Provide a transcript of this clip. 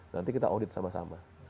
nanti kita audit sama sama